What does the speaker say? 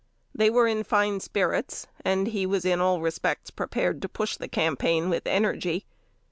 They were in fine spirits, and he was in all respects prepared to push the campaign with energy.